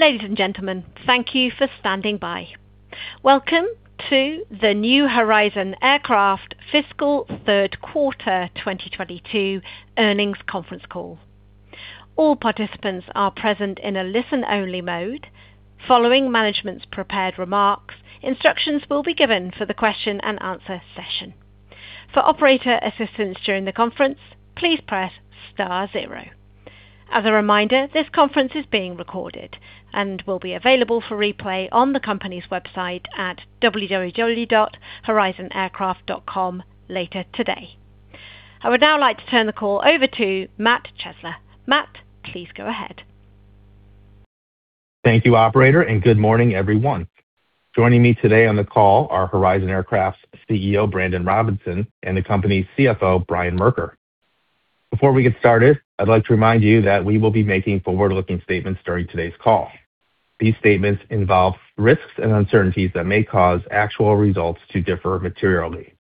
Ladies and gentlemen, thank you for standing by. Welcome to the New Horizon Aircraft Fiscal Third Quarter 2022 Earnings Conference Call. All participants are present in a listen-only mode. Following management's prepared remarks, instructions will be given for the question and answer session. For operator assistance during the conference, please press star zero. As a reminder, this conference is being recorded and will be available for replay on the company's website at www.horizonaircraft.com later today. I would now like to turn the call over to Matt Chesler. Matt, please go ahead. Thank you operator. Good morning everyone. Joining me today on the call are Horizon Aircraft's CEO, Brandon Robinson, and the company's CFO, Brian Merker. Before we get started, I'd like to remind you that we will be making forward-looking statements during today's call. These statements involve risks and uncertainties that may cause actual results to differ materially.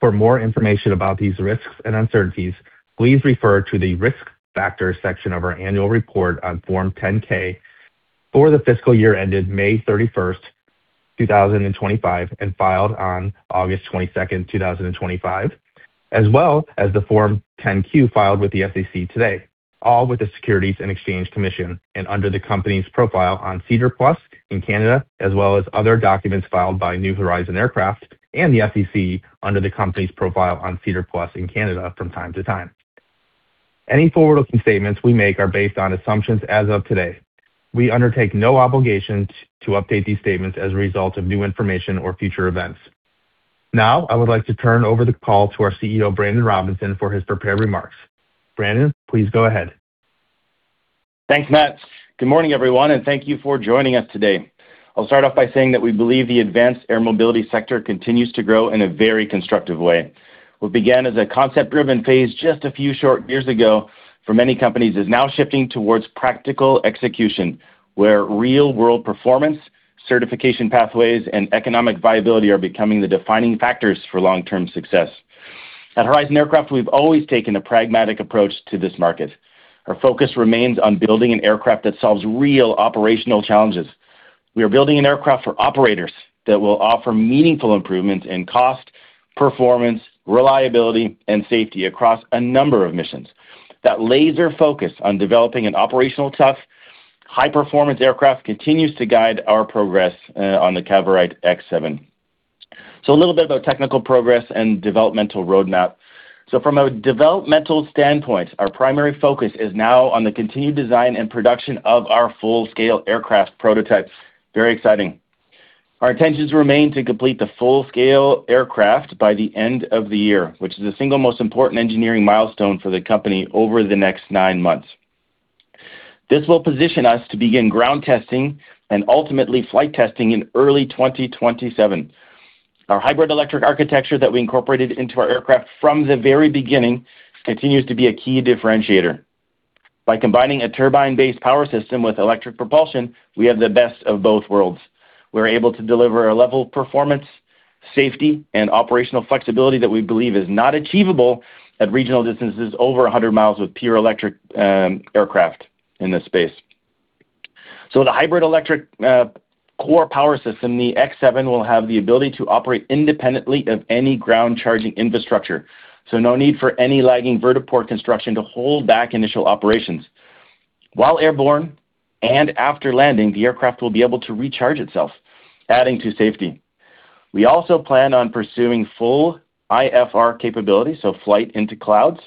For more information about these risks and uncertainties, please refer to the Risk Factors section of our annual report on Form 10-K for the fiscal year ended May 31st, 2025, and filed on August 22nd, 2025, as well as the Form 10-Q filed with the SEC today, all with the Securities and Exchange Commission, and under the company's profile on SEDAR+ in Canada, as well as other documents filed by New Horizon Aircraft and the SEC under the company's profile on SEDAR+ in Canada from time to time. Any forward-looking statements we make are based on assumptions as of today. We undertake no obligation to update these statements as a result of new information or future events. Now, I would like to turn over the call to our CEO, Brandon Robinson, for his prepared remarks. Brandon, please go ahead. Thanks, Matt. Good morning, everyone, and thank you for joining us today. I'll start off by saying that we believe the advanced air mobility sector continues to grow in a very constructive way. What began as a concept-driven phase just a few short years ago for many companies is now shifting towards practical execution, where real-world performance, certification pathways, and economic viability are becoming the defining factors for long-term success. At Horizon Aircraft, we've always taken a pragmatic approach to this market. Our focus remains on building an aircraft that solves real operational challenges. We are building an aircraft for operators that will offer meaningful improvements in cost, performance, reliability, and safety across a number of missions. That laser focus on developing an operational tough, high-performance aircraft continues to guide our progress on the Cavorite X7. A little bit about technical progress and developmental roadmap. From a developmental standpoint, our primary focus is now on the continued design and production of our full-scale aircraft prototype. Very exciting. Our intentions remain to complete the full-scale aircraft by the end of the year, which is the single most important engineering milestone for the company over the next nine months. This will position us to begin ground testing and ultimately flight testing in early 2027. Our hybrid-electric architecture that we incorporated into our aircraft from the very beginning continues to be a key differentiator. By combining a turbine-based power system with electric propulsion, we have the best of both worlds. We're able to deliver a level of performance, safety, and operational flexibility that we believe is not achievable at regional distances over 100 miles with pure electric aircraft in this space. The hybrid-electric core power system, the X7, will have the ability to operate independently of any ground charging infrastructure. No need for any lagging vertiport construction to hold back initial operations. While airborne and after landing, the aircraft will be able to recharge itself, adding to safety. We also plan on pursuing full IFR capabilities, so flight into clouds,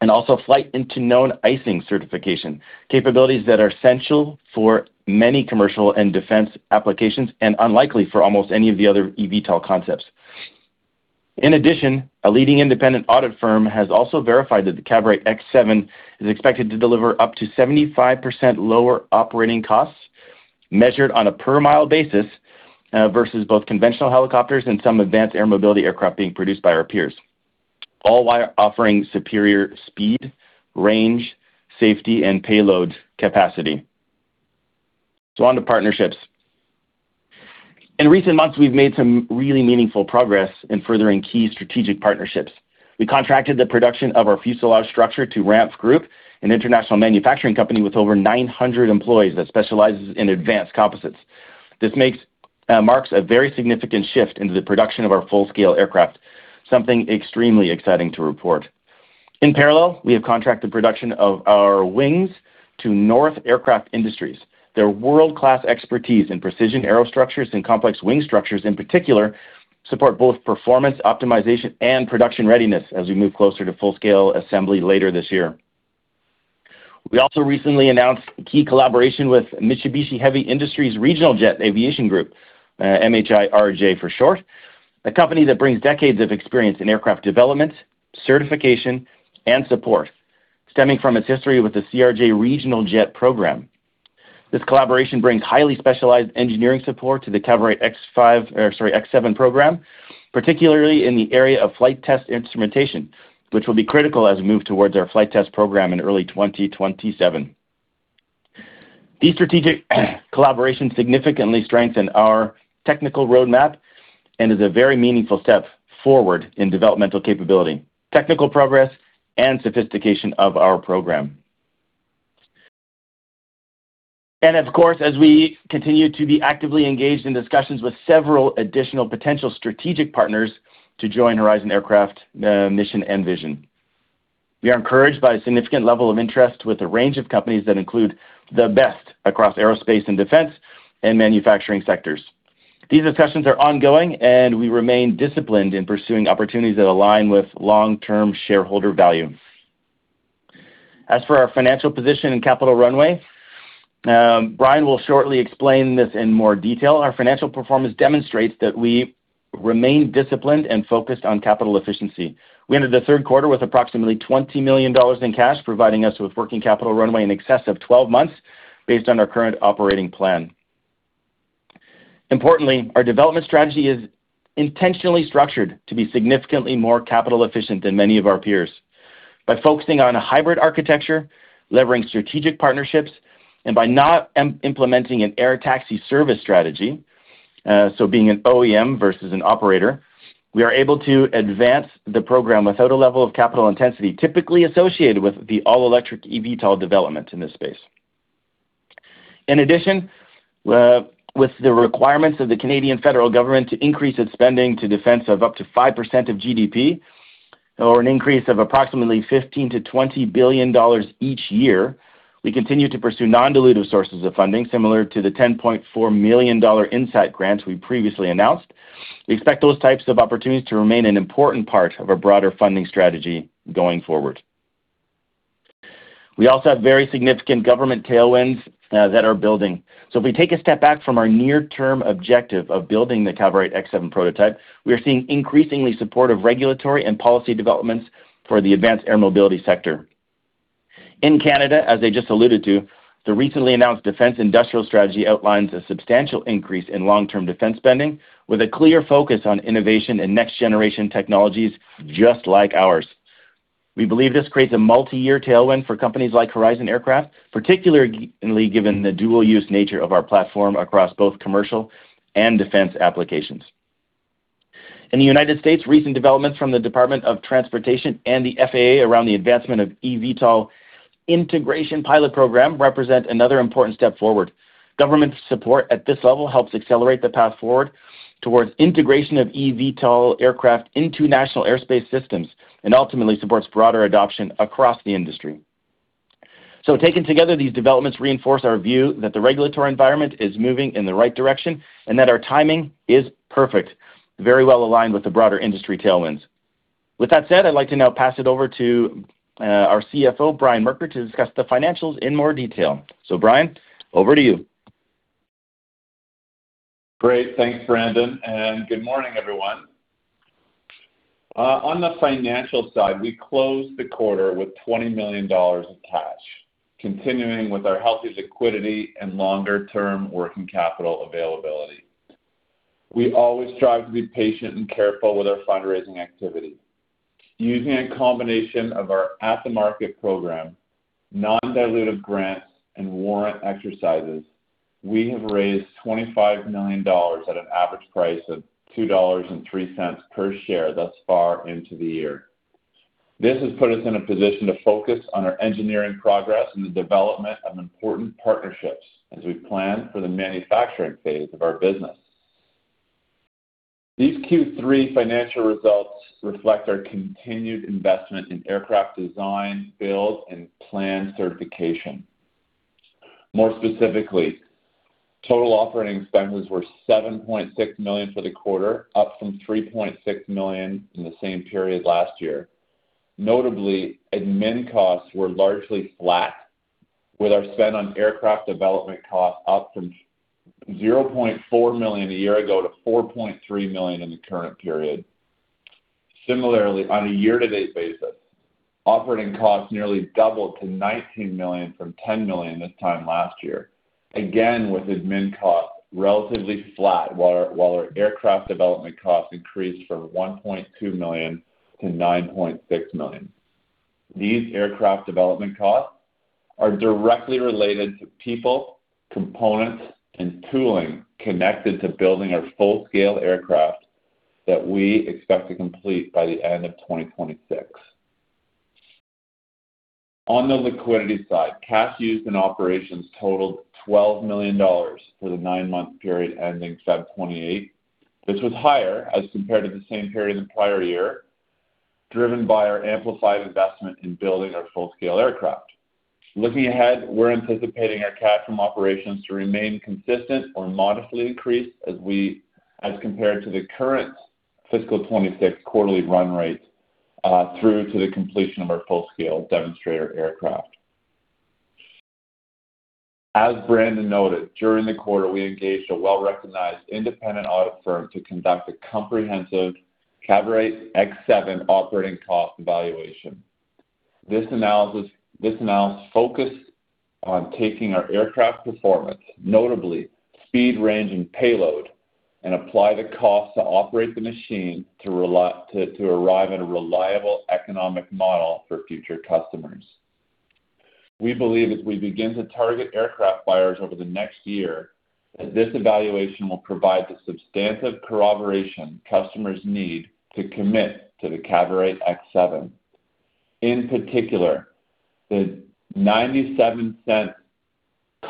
and also flight into known icing certification, capabilities that are essential for many commercial and defense applications and unlikely for almost any of the other eVTOL concepts. In addition, a leading independent audit firm has also verified that the Cavorite X7 is expected to deliver up to 75% lower operating costs, measured on a per mile basis versus both conventional helicopters and some advanced air mobility aircraft being produced by our peers, all while offering superior speed, range, safety, and payload capacity. On to partnerships. In recent months, we've made some really meaningful progress in furthering key strategic partnerships. We contracted the production of our fuselage structure to RAMPF Group, an international manufacturing company with over 900 employees that specializes in advanced composites. This marks a very significant shift into the production of our full-scale aircraft, something extremely exciting to report. In parallel, we have contracted production of our wings to North Aircraft Industries. Their world-class expertise in precision aerostructures and complex wing structures in particular support both performance optimization and production readiness as we move closer to full-scale assembly later this year. We also recently announced a key collaboration with Mitsubishi Heavy Industries RJ Aviation Group, MHIRJ for short, a company that brings decades of experience in aircraft development, certification, and support stemming from its history with the CRJ Regional Jet program. This collaboration brings highly specialized engineering support to the Cavorite X7 program, particularly in the area of flight test instrumentation, which will be critical as we move towards our flight test program in early 2027. These strategic collaborations significantly strengthen our technical roadmap and is a very meaningful step forward in developmental capability, technical progress, and sophistication of our program. Of course, as we continue to be actively engaged in discussions with several additional potential strategic partners to join Horizon Aircraft's mission and vision, we are encouraged by a significant level of interest with a range of companies that include the best across aerospace and defense and manufacturing sectors. These discussions are ongoing, and we remain disciplined in pursuing opportunities that align with long-term shareholder value. As for our financial position and capital runway, Brian will shortly explain this in more detail. Our financial performance demonstrates that we remain disciplined and focused on capital efficiency. We entered the third quarter with approximately $20 million in cash, providing us with working capital runway in excess of 12 months, based on our current operating plan. Importantly, our development strategy is intentionally structured to be significantly more capital efficient than many of our peers. By focusing on a hybrid architecture, leveraging strategic partnerships, and by not implementing an air taxi service strategy, so being an OEM versus an operator, we are able to advance the program without a level of capital intensity typically associated with the all-electric eVTOL development in this space. In addition, with the requirements of the Canadian federal government to increase its spending to defense of up to 5% of GDP, or an increase of approximately 15 billion-20 billion dollars each year, we continue to pursue non-dilutive sources of funding, similar to the $10.4 million INSAT grants we previously announced. We expect those types of opportunities to remain an important part of our broader funding strategy going forward. We also have very significant government tailwinds that are building. If we take a step back from our near-term objective of building the Cavorite X7 prototype, we are seeing increasingly supportive regulatory and policy developments for the advanced air mobility sector. In Canada, as I just alluded to, the recently announced Defense Industrial Strategy outlines a substantial increase in long-term defense spending, with a clear focus on innovation and next-generation technologies just like ours. We believe this creates a multi-year tailwind for companies like Horizon Aircraft, particularly given the dual-use nature of our platform across both commercial and defense applications. In the United States, recent developments from the Department of Transportation and the FAA around the advancement of eVTOL integration pilot program represent another important step forward. Government support at this level helps accelerate the path forward towards integration of eVTOL aircraft into national airspace systems and ultimately supports broader adoption across the industry. Taken together, these developments reinforce our view that the regulatory environment is moving in the right direction and that our timing is perfect, very well-aligned with the broader industry tailwinds. With that said, I'd like to now pass it over to our CFO, Brian Merker, to discuss the financials in more detail. Brian, over to you. Great. Thanks, Brandon, and good morning, everyone. On the financial side, we closed the quarter with $20 million in cash, continuing with our healthy liquidity and longer-term working capital availability. We always strive to be patient and careful with our fundraising activity. Using a combination of our at-the-market program, non-dilutive grants, and warrant exercises, we have raised $25 million at an average price of $2.03 per share thus far into the year. This has put us in a position to focus on our engineering progress and the development of important partnerships as we plan for the manufacturing phase of our business. These Q3 financial results reflect our continued investment in aircraft design, build, and plan certification. More specifically, total operating expenditures were $7.6 million for the quarter, up from $3.6 million in the same period last year. Notably, Admin costs were largely flat, with our spend on Aircraft Development costs up from $0.4 million a year ago to $4.3 million in the current period. Similarly, on a year-to-date basis, operating costs nearly doubled to $19 million from $10 million this time last year. Again, with Admin costs relatively flat, while our Aircraft Development costs increased from $1.2 million to $9.6 million. These Aircraft Development costs are directly related to people, components, and tooling connected to building our full-scale aircraft that we expect to complete by the end of 2026. On the liquidity side, cash used in operations totaled $12 million for the nine-month period ending February 28. This was higher as compared to the same period the prior year, driven by our amplified investment in building our full-scale aircraft. Looking ahead, we're anticipating our cash from operations to remain consistent or modestly increase as compared to the current Fiscal 2026 quarterly run rates through to the completion of our full-scale demonstrator aircraft. As Brandon noted, during the quarter, we engaged a well-recognized independent audit firm to conduct a comprehensive Cavorite X7 operating cost evaluation. This analysis focused on taking our aircraft performance, notably speed, range, and payload, and apply the cost to operate the machine to arrive at a reliable economic model for future customers. We believe as we begin to target aircraft buyers over the next year, that this evaluation will provide the substantive corroboration customers need to commit to the Cavorite X7. In particular, the $0.97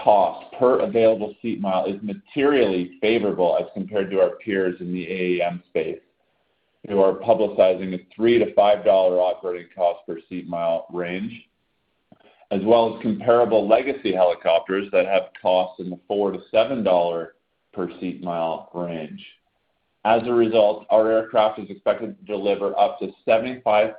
cost per available seat mile is materially favorable as compared to our peers in the AAM space, who are publicizing a $3-$5 operating cost per seat mile range, as well as comparable legacy helicopters that have costs in the $4-$7 per seat mile range. As a result, our aircraft is expected to deliver up to 75%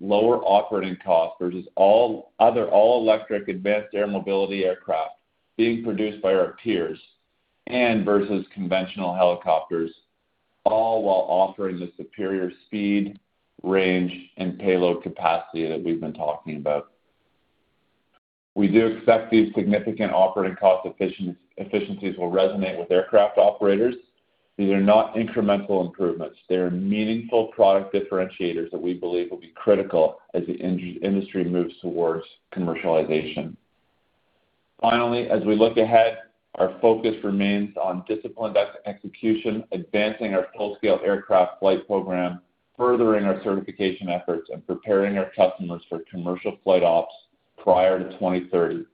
lower operating costs versus other all-electric advanced air mobility aircraft being produced by our peers and versus conventional helicopters, all while offering the superior speed, range, and payload capacity that we've been talking about. We do expect these significant operating cost efficiencies will resonate with aircraft operators. These are not incremental improvements. They are meaningful product differentiators that we believe will be critical as the industry moves towards commercialization. Finally, as we look ahead, our focus remains on disciplined execution, advancing our full-scale aircraft flight program, furthering our certification efforts, and preparing our customers for commercial flight ops prior to 2030.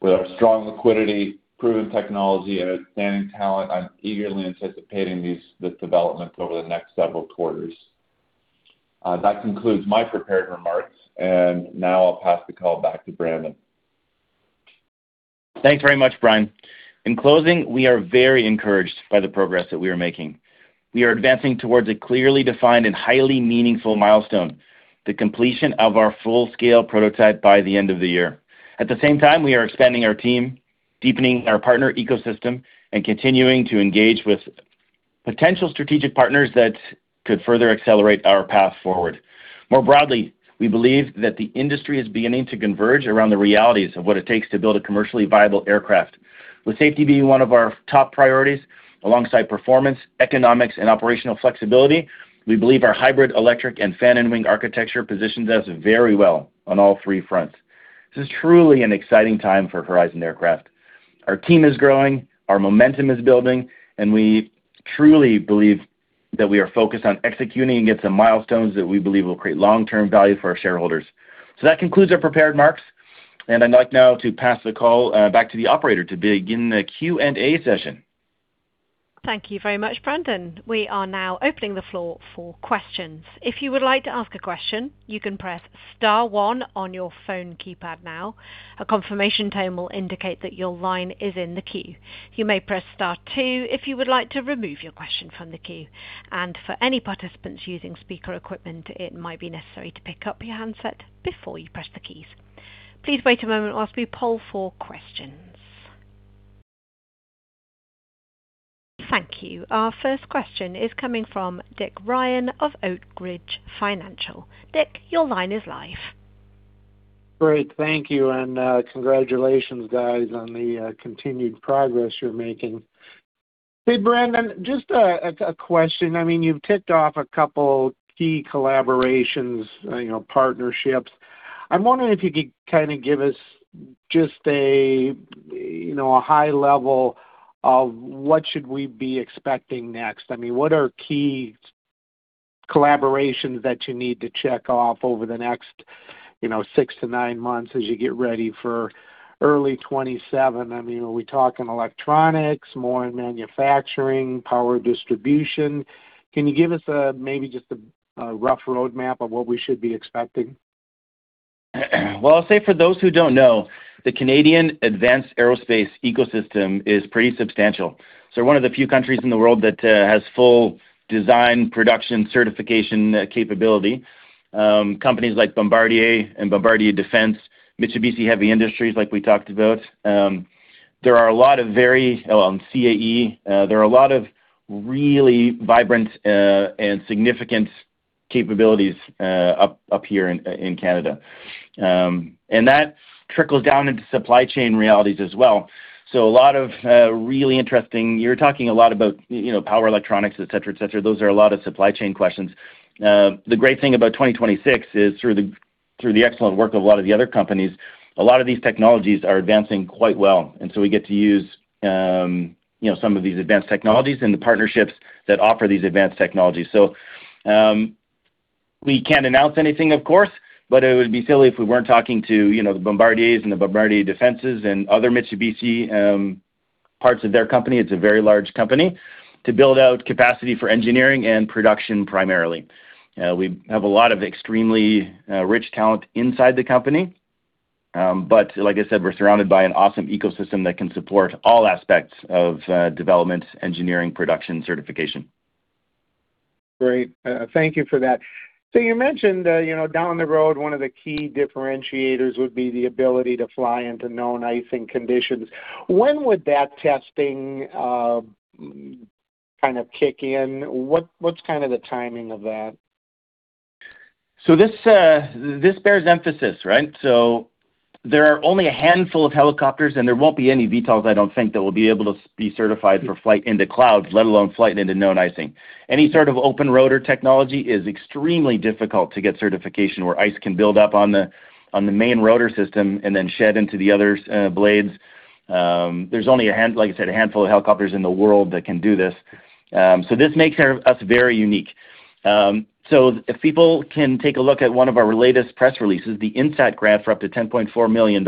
With our strong liquidity, proven technology, and outstanding talent, I'm eagerly anticipating these developments over the next several quarters. That concludes my prepared remarks, and now I'll pass the call back to Brandon. Thanks very much, Brian. In closing, we are very encouraged by the progress that we are making. We are advancing towards a clearly defined and highly meaningful milestone, the completion of our full-scale prototype by the end of the year. At the same time, we are expanding our team, deepening our partner ecosystem, and continuing to engage with potential strategic partners that could further accelerate our path forward. More broadly, we believe that the industry is beginning to converge around the realities of what it takes to build a commercially viable aircraft. With safety being one of our top priorities alongside performance, economics, and operational flexibility, we believe our hybrid-electric and fan-in-wing architecture positions us very well on all three fronts. This is truly an exciting time for Horizon Aircraft. Our team is growing, our momentum is building, and we truly believe that we are focused on executing against the milestones that we believe will create long-term value for our shareholders. That concludes our prepared remarks, and I'd like now to pass the call back to the operator to begin the Q&A session. Thank you very much, Brandon. We are now opening the floor for questions. If you would like to ask a question, you can press star one on your phone keypad now. A confirmation tone will indicate that your line is in the queue. You may press star two if you would like to remove your question from the queue. For any participants using speaker equipment, it might be necessary to pick up your handset before you press the keys. Please wait a moment whilst we poll for questions. Thank you. Our first question is coming from Dick Ryan of Oak Ridge Financial. Dick, your line is live. Great. Thank you. Congratulations, guys, on the continued progress you're making. Hey, Brandon, just a question. I mean, you've ticked off a couple key collaborations, partnerships. I'm wondering if you could give us just a high-level of what should we be expecting next. I mean, what are key collaborations that you need to check off over the next six months-nine months as you get ready for early 2027? I mean, are we talking electronics, more in manufacturing, power distribution? Can you give us maybe just a rough roadmap of what we should be expecting? Well, I'll say for those who don't know, the Canadian advanced aerospace ecosystem is pretty substantial. One of the few countries in the world that has full design, production, certification capability. Companies like Bombardier and Bombardier Defense, Mitsubishi Heavy Industries, like we talked about, CAE. There are a lot of really vibrant and significant capabilities up here in Canada. That trickles down into supply chain realities as well. You're talking a lot about power electronics, et cetera. Those are a lot of supply chain questions. The great thing about 2026 is, through the excellent work of a lot of the other companies, a lot of these technologies are advancing quite well. We get to use some of these advanced technologies and the partnerships that offer these advanced technologies. We can't announce anything, of course, but it would be silly if we weren't talking to the Bombardiers and the Bombardier Defenses, and other Mitsubishi parts of their company, it's a very large company, to build out capacity for engineering and production, primarily. We have a lot of extremely rich talent inside the company. Like I said, we're surrounded by an awesome ecosystem that can support all aspects of development, engineering, production, certification. Great. Thank you for that. You mentioned down the road, one of the key differentiators would be the ability to fly into known icing conditions. When would that testing kind of kick in? What's the timing of that? This bears emphasis, right? There are only a handful of helicopters, and there won't be any VTOLs, I don't think, that will be able to be certified for flight into clouds, let alone flight into known icing. Any sort of open rotor technology is extremely difficult to get certification where ice can build up on the main rotor system and then shed into the other blades. There's only, like I said, a handful of helicopters in the world that can do this. This makes us very unique. If people can take a look at one of our latest press releases, the INSAT grant for up to $10.4 million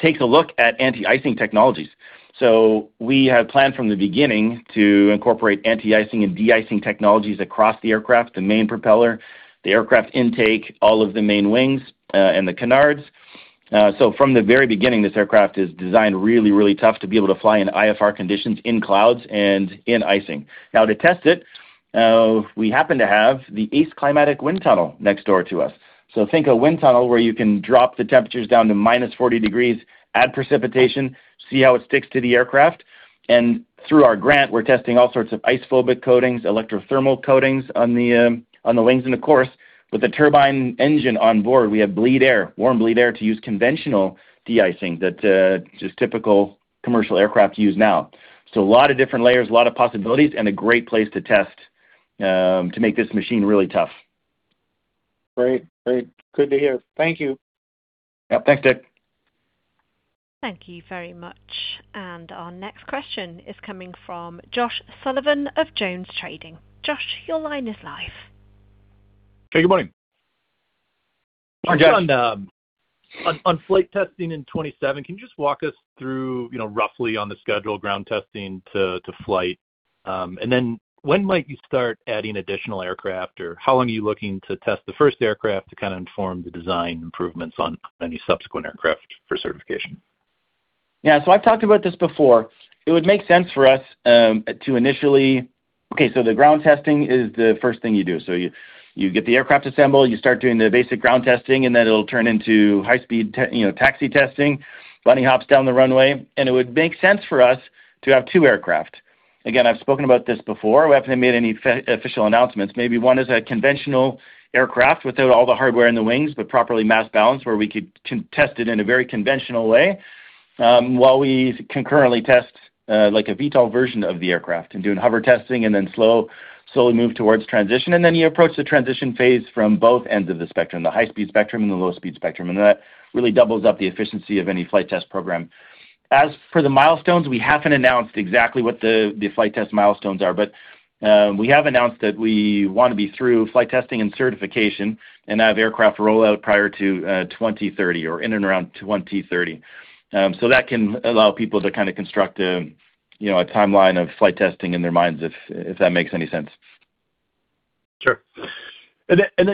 takes a look at anti-icing technologies. We had planned from the beginning to incorporate anti-icing and de-icing technologies across the aircraft, the main propeller, the aircraft intake, all of the main wings, and the canards. From the very beginning, this aircraft is designed really, really tough to be able to fly in IFR conditions, in clouds, and in icing. Now, to test it, we happen to have the ACE Climatic Wind Tunnel next door to us. Think a wind tunnel where you can drop the temperatures down to -40 degrees, add precipitation, see how it sticks to the aircraft. Through our grant, we're testing all sorts of icephobic coatings, electrothermal coatings on the wings. Of course, with the turbine engine on board, we have bleed air, warm bleed air, to use conventional de-icing that just typical commercial aircraft use now. A lot of different layers, a lot of possibilities, and a great place to test to make this machine really tough. Great. Good to hear. Thank you. Yep. Thanks, Dick. Thank you very much. Our next question is coming from Josh Sullivan of JonesTrading. Josh, your line is live. Hey, good morning. Hi, Josh. On flight testing in 2027, can you just walk us through roughly on the schedule, ground testing to flight? When might you start adding additional aircraft, or how long are you looking to test the first aircraft to kind of inform the design improvements on any subsequent aircraft for certification? Yeah. I've talked about this before. Okay, the ground testing is the first thing you do. You get the aircraft assembled, you start doing the basic ground testing, and then it'll turn into high-speed taxi testing, bunny hops down the runway. It would make sense for us to have two aircraft. Again, I've spoken about this before. We haven't made any official announcements. Maybe one is a conventional aircraft without all the hardware in the wings, but properly mass-balanced, where we could test it in a very conventional way, while we concurrently test like a VTOL version of the aircraft and doing hover testing and then slowly move towards transition. You approach the transition phase from both ends of the spectrum, the high-speed spectrum and the low-speed spectrum, and that really doubles up the efficiency of any flight test program. As for the milestones, we haven't announced exactly what the flight test milestones are, but we have announced that we want to be through flight testing and certification and have aircraft rollout prior to 2030 or in and around 2030. That can allow people to kind of construct a timeline of flight testing in their minds, if that makes any sense. Sure.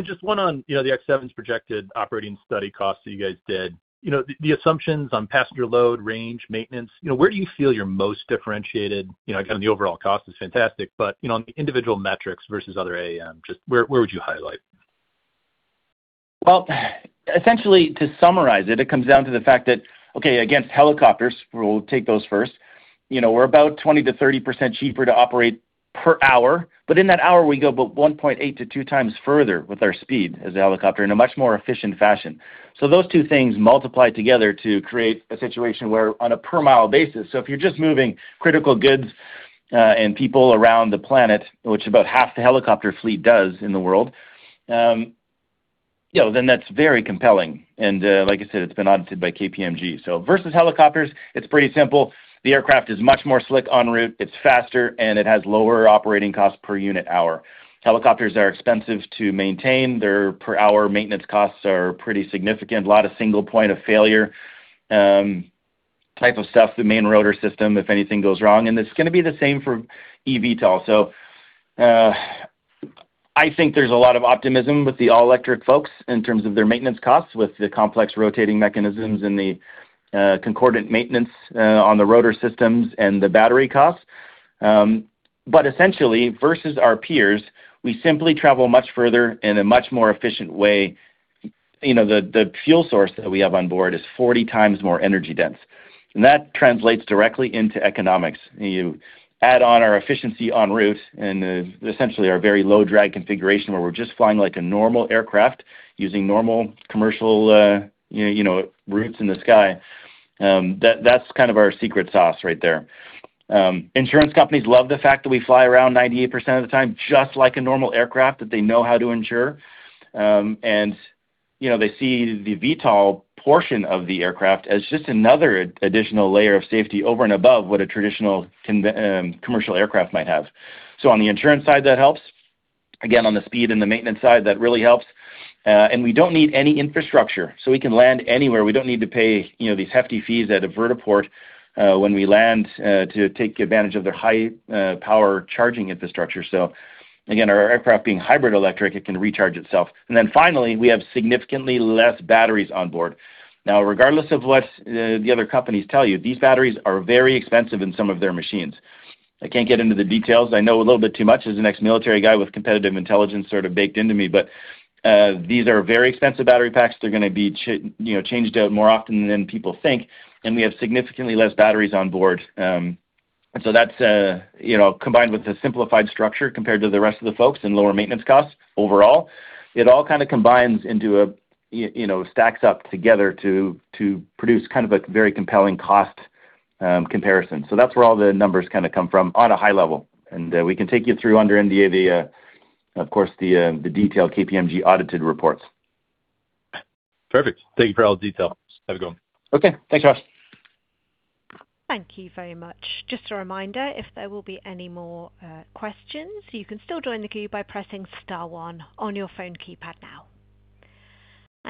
Just one on the X7's projected operating study cost that you guys did. The assumptions on passenger load, range, maintenance, where do you feel you're most differentiated? Again, the overall cost is fantastic, but on the individual metrics versus other AAM, just where would you highlight? Well, essentially, to summarize it comes down to the fact that, okay, against helicopters, we'll take those first. We're about 20%-30% cheaper to operate per hour, but in that hour, we go about 1.8-2 times further with our speed as a helicopter in a much more efficient fashion. Those two things multiply together to create a situation where on a per mile basis, so if you're just moving critical goods and people around the planet, which about half the helicopter fleet does in the world, then that's very compelling. Like I said, it's been audited by KPMG. Versus helicopters, it's pretty simple. The aircraft is much more slick en route, it's faster, and it has lower operating costs per unit hour. Helicopters are expensive to maintain. Their per hour maintenance costs are pretty significant. A lot of single-point-of-failure type of stuff, the main rotor system, if anything goes wrong, and it's going to be the same for eVTOL. I think there's a lot of optimism with the all-electric folks in terms of their maintenance costs with the complex rotating mechanisms and the concordant maintenance on the rotor systems and the battery costs. Essentially, versus our peers, we simply travel much further in a much more efficient way. The fuel source that we have on board is 40 times more energy-dense, and that translates directly into economics. You add on our efficiency en route and essentially our very low-drag configuration, where we're just flying like a normal aircraft using normal commercial routes in the sky. That's kind of our secret sauce right there. Insurance companies love the fact that we fly around 98% of the time, just like a normal aircraft that they know how to insure. They see the VTOL portion of the aircraft as just another additional layer of safety over and above what a traditional commercial aircraft might have. On the insurance side, that helps. Again, on the speed and the maintenance side, that really helps. We don't need any infrastructure, so we can land anywhere. We don't need to pay these hefty fees at a vertiport when we land to take advantage of their high-power charging infrastructure. Again, our aircraft being hybrid-electric, it can recharge itself. Finally, we have significantly less batteries on board. Now, regardless of what the other companies tell you, these batteries are very expensive in some of their machines. I can't get into the details. I know a little bit too much as an ex-military guy with competitive intelligence sort of baked into me. These are very expensive battery packs. They're going to be changed out more often than people think, and we have significantly less batteries on board. That combined with the simplified structure compared to the rest of the folks and lower maintenance costs overall, it all kind of stacks up together to produce kind of a very compelling cost comparison. That's where all the numbers kind of come from on a high level. We can take you through under NDA, of course, the detailed KPMG audited reports. Perfect. Thank you for all the details. Have a good one. Okay. Thanks, Josh. Thank you very much. Just a reminder, if there will be any more questions, you can still join the queue by pressing star one on your phone keypad now.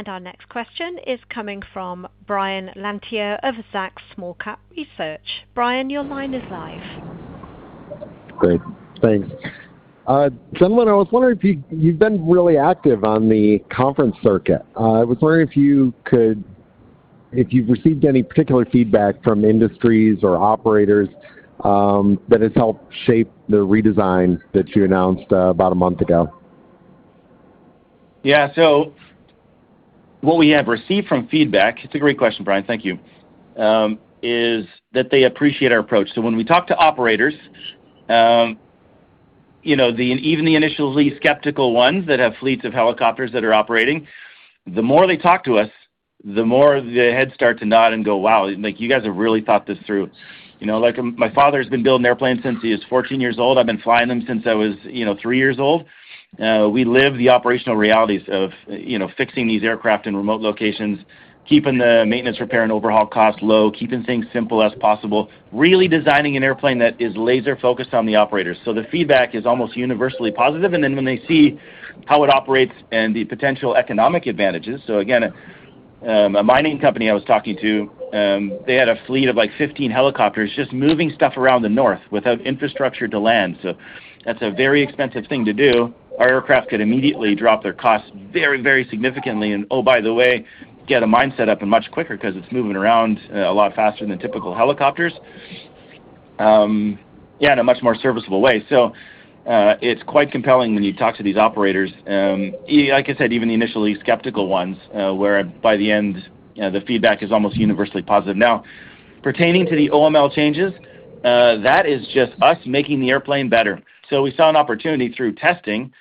Our next question is coming from Brian Lantier of Zacks Small-Cap Research. Brian, your line is live. Great. Thanks. Brandon, I was wondering, you've been really active on the conference circuit. I was wondering if you've received any particular feedback from industries or operators that has helped shape the redesign that you announced about a month ago. Yeah. What we have received from feedback, it's a great question, Brian, thank you, is that they appreciate our approach. When we talk to operators, even the initially skeptical ones that have fleets of helicopters that are operating, the more they talk to us, the more their heads start to nod and go, "Wow, you guys have really thought this through." My father has been building airplanes since he was 14 years old. I've been flying them since I was three years old. We live the operational realities of fixing these aircraft in remote locations, keeping the maintenance, repair, and overhaul costs low, keeping things simple as possible, really designing an airplane that is laser-focused on the operators. The feedback is almost universally positive when they see how it operates and the potential economic advantages. Again, a mining company I was talking to, they had a fleet of 15 helicopters just moving stuff around the North without infrastructure to land. That's a very expensive thing to do. Our aircraft could immediately drop their costs very very significantly. Oh, by the way, get a mine set up and much quicker because it's moving around a lot faster than typical helicopters, yeah, in a much more serviceable way. It's quite compelling when you talk to these operators. Like I said, even the initially skeptical ones, where by the end, the feedback is almost universally positive. Now, pertaining to the OML changes, that is just us making the airplane better. We saw an opportunity through testing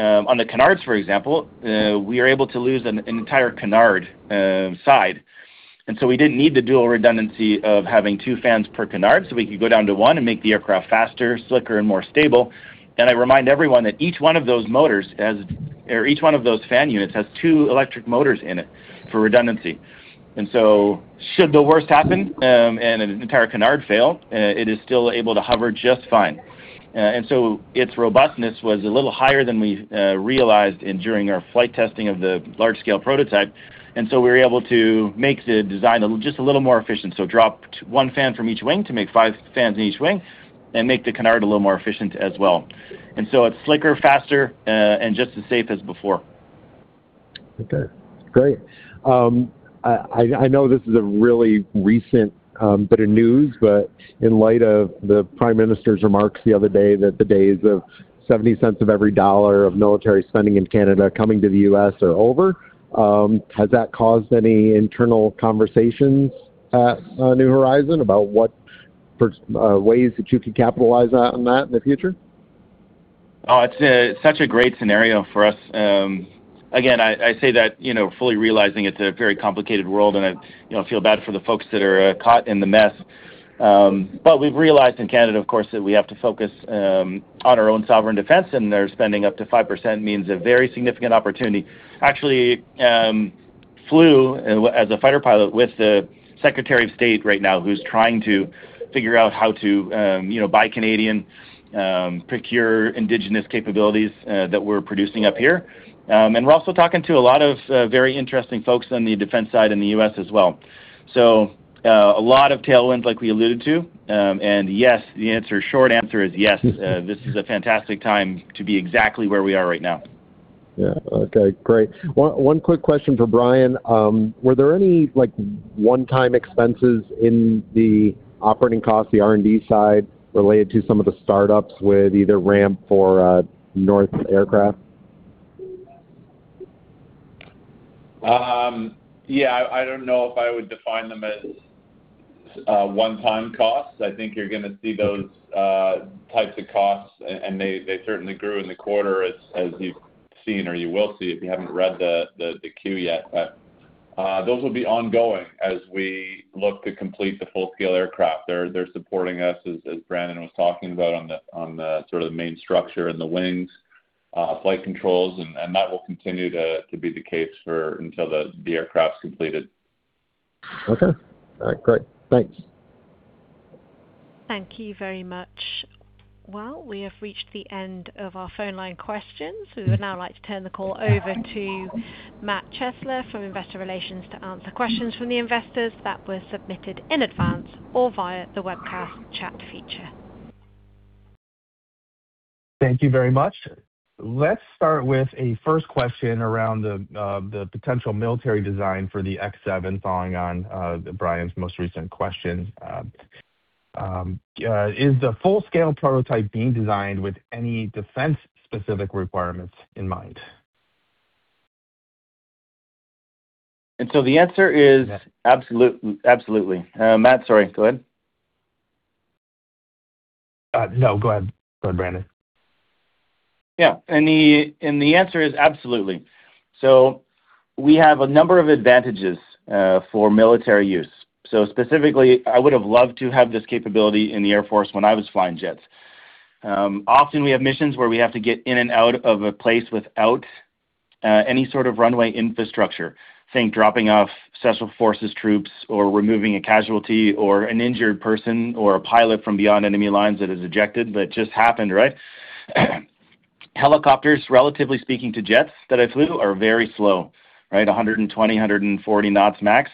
on the canards. For example, we are able to lose an entire canard side. We didn't need the dual redundancy of having two fans per canard, so we could go down to one and make the aircraft faster, slicker, and more stable. I remind everyone that each one of those fan units has two electric motors in it for redundancy. Should the worst happen and an entire canard fail, it is still able to hover just fine. Its robustness was a little higher than we realized during our flight testing of the large-scale prototype, and so we were able to make the design just a little more efficient. Drop one fan from each wing to make five fans in each wing and make the canard a little more efficient as well. It's slicker, faster, and just as safe as before. Okay, great. I know this is a really recent bit of news, but in light of the Prime Minister's remarks the other day that the days of $0.70 of every dollar of military spending in Canada coming to the U.S. are over, has that caused any internal conversations at New Horizon about what ways that you could capitalize on that in the future? Oh, it's such a great scenario for us. Again, I say that fully realizing it's a very complicated world, and I feel bad for the folks that are caught in the mess. We've realized in Canada, of course, that we have to focus on our own sovereign defense, and their spending up to 5% means a very significant opportunity. Actually, I flew as a fighter pilot with the Secretary of State right now, who's trying to figure out how to buy Canadian, procure indigenous capabilities that we're producing up here. We're also talking to a lot of very interesting folks on the defense side in the U.S. as well. A lot of tailwinds like we alluded to, and yes, the short answer is yes. This is a fantastic time to be exactly where we are right now. Yeah. Okay, great. One quick question for Brian. Were there any one-time expenses in the operating costs, the R&D side, related to some of the startups with either RAMPF or North Aircraft? Yeah, I don't know if I would define them as one-time costs. I think you're going to see those types of costs, and they certainly grew in the quarter as you've seen, or you will see if you haven't read the Q yet, but those will be ongoing as we look to complete the full-scale aircraft. They're supporting us, as Brandon was talking about, on the main structure and the wings, flight controls, and that will continue to be the case until the aircraft's completed. Okay. All right, great. Thanks. Thank you very much. Well, we have reached the end of our phone line questions. We would now like to turn the call over to Matt Chesler from Investor Relations to answer questions from the investors that were submitted in advance or via the webcast chat feature. Thank you very much. Let's start with a first question around the potential military design for the X7, following on Brian's most recent question. Is the full-scale prototype being designed with any defense-specific requirements in mind? The answer is absolutely. Matt, sorry, go ahead. No, go ahead, Brandon. Yeah. The answer is absolutely. We have a number of advantages for military use. Specifically, I would've loved to have this capability in the Air Force when I was flying jets. Often we have missions where we have to get in and out of a place without any sort of runway infrastructure. Think dropping off Special Forces troops or removing a casualty or an injured person or a pilot from beyond enemy lines that has ejected. That just happened, right? Helicopters, relatively speaking to jets that I flew, are very slow, 120, 140 knots max.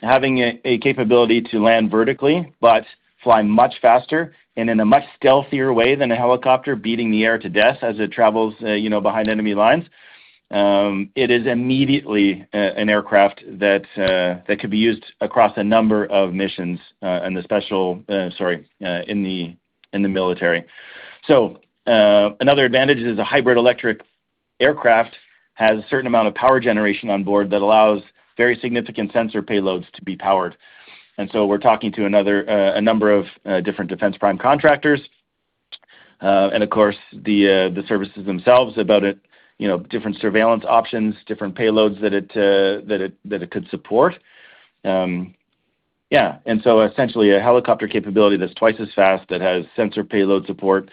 Having a capability to land vertically but fly much faster and in a much stealthier way than a helicopter beating the air to death as it travels behind enemy lines, it is immediately an aircraft that could be used across a number of missions in the military. Another advantage is a hybrid-electric aircraft has a certain amount of power generation on board that allows very significant sensor payloads to be powered. We're talking to a number of different defense prime contractors, and of course, the services themselves, about different surveillance options, different payloads that it could support. Yeah. Essentially a helicopter capability that's twice as fast, that has sensor payload support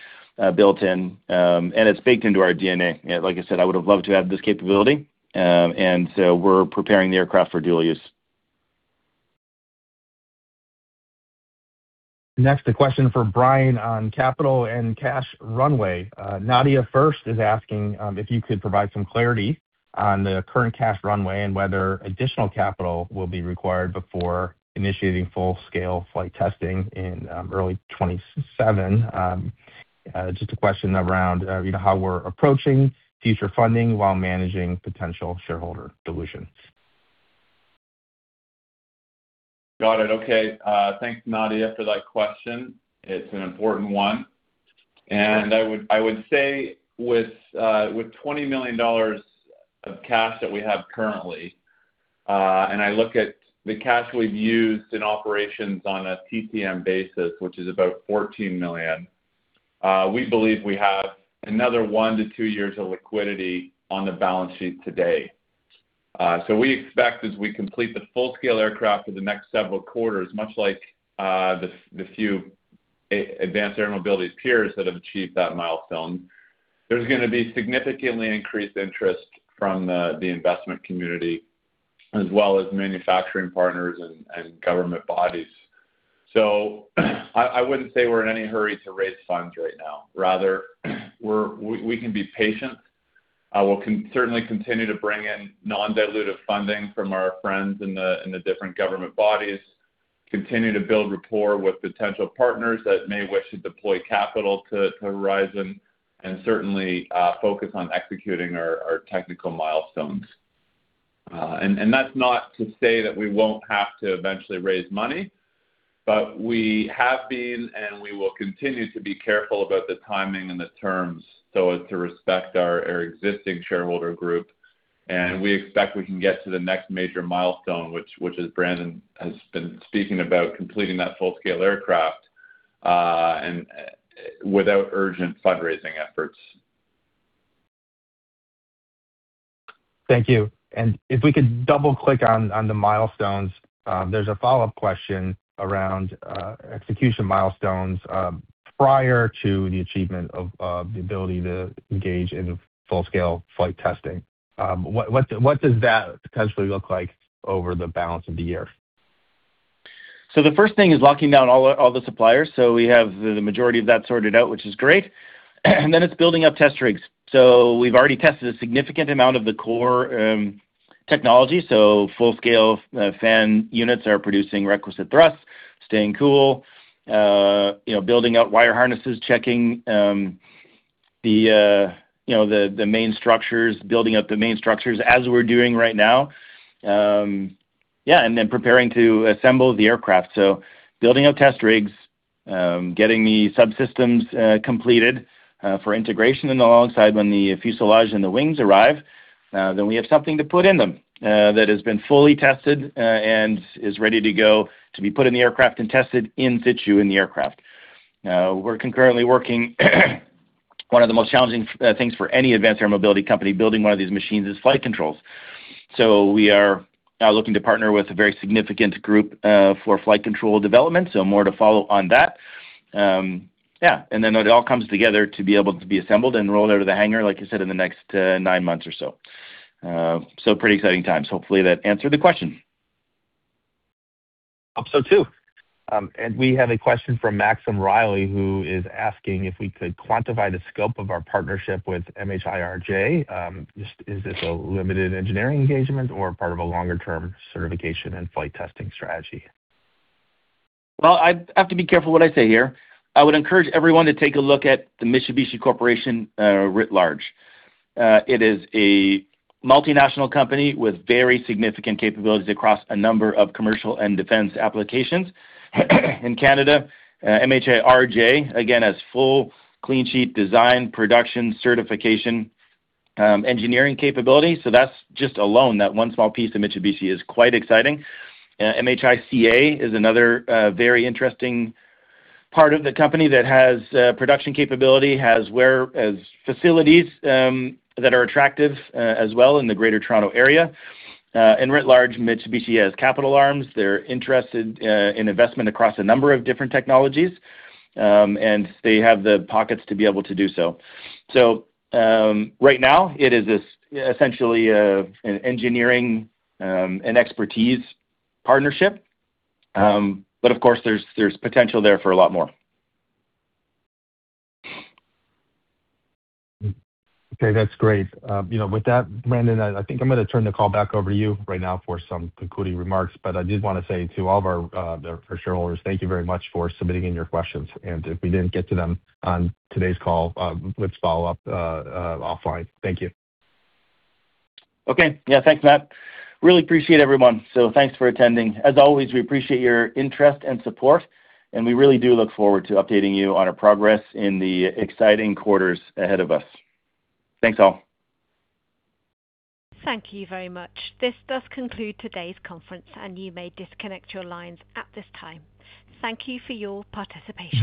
built in, and it's baked into our DNA. Like I said, I would've loved to have this capability. We're preparing the aircraft for dual use. Next, a question for Brian on capital and cash runway. Nadia first is asking if you could provide some clarity on the current cash runway and whether additional capital will be required before initiating full-scale flight testing in early 2027. Just a question around how we're approaching future funding while managing potential shareholder dilution. Got it. Okay. Thanks, Nadia, for that question. It's an important one. I would say with $20 million of cash that we have currently, and I look at the cash we've used in operations on a TTM basis, which is about $14 million, we believe we have another one to two years of liquidity on the balance sheet today. We expect as we complete the full-scale aircraft for the next several quarters, much like the few advanced air mobility peers that have achieved that milestone, there's going to be significantly increased interest from the investment community, as well as manufacturing partners and government bodies. I wouldn't say we're in any hurry to raise funds right now. Rather, we can be patient. We'll certainly continue to bring in non-dilutive funding from our friends in the different government bodies, continue to build rapport with potential partners that may wish to deploy capital to Horizon, and certainly, focus on executing our technical milestones. That's not to say that we won't have to eventually raise money, but we have been, and we will continue to be careful about the timing and the terms so as to respect our existing shareholder group. We expect we can get to the next major milestone, which as Brandon has been speaking about, completing that full-scale aircraft, and without urgent fundraising efforts. Thank you. If we could double-click on the milestones, there's a follow-up question around execution milestones, prior to the achievement of the ability to engage in full-scale flight testing. What does that potentially look like over the balance of the year? The first thing is locking down all the suppliers. We have the majority of that sorted out, which is great. It's building up test rigs. We've already tested a significant amount of the core technology. Full-scale fan units are producing requisite thrust, staying cool, building out wire harnesses, checking the main structures, building out the main structures as we're doing right now. Yeah, preparing to assemble the aircraft. Building out test rigs, getting the subsystems completed for integration alongside when the fuselage and the wings arrive, then we have something to put in them that has been fully tested and is ready to go to be put in the aircraft and tested in situ in the aircraft. We're concurrently working one of the most challenging things for any advanced air mobility company. Building one of these machines is flight controls. We are looking to partner with a very significant group for flight control development, so more to follow on that. Yeah. It all comes together to be able to be assembled and rolled out of the hangar, like you said, in the next nine months or so. Pretty exciting times. Hopefully, that answered the question. Hope so too. We have a question from Maxim Riley, who is asking if we could quantify the scope of our partnership with MHIRJ. Is this a limited engineering engagement or part of a longer-term certification and flight testing strategy? Well, I have to be careful what I say here. I would encourage everyone to take a look at the Mitsubishi Corporation writ large. It is a multinational company with very significant capabilities across a number of commercial and defense applications. In Canada, MHIRJ, again, has full clean-sheet design, production, certification, engineering capability. That's just alone, that one small piece of Mitsubishi is quite exciting. MHICA is another very interesting part of the company that has production capability, has facilities that are attractive as well in the Greater Toronto Area. Writ large, Mitsubishi has capital arms. They're interested in investment across a number of different technologies, and they have the pockets to be able to do so. Right now it is essentially an engineering and expertise partnership. Of course, there's potential there for a lot more. Okay. That's great. With that, Brandon, I think I'm going to turn the call back over to you right now for some concluding remarks. I did want to say to all of our shareholders, thank you very much for submitting in your questions. If we didn't get to them on today's call, let's follow up offline. Thank you. Okay. Yeah. Thanks, Matt. We really appreciate everyone, so thanks for attending. As always, we appreciate your interest and support, and we really do look forward to updating you on our progress in the exciting quarters ahead of us. Thanks, all. Thank you very much. This does conclude today's conference, and you may disconnect your lines at this time. Thank you for your participation.